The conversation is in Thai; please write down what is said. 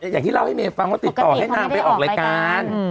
อย่างที่เล่าให้เมย์ฟังว่าติดต่อให้นางไปออกรายการ